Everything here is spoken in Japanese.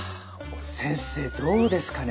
先生どうですかね？